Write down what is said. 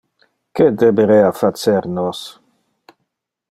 Que deberea facer nos?!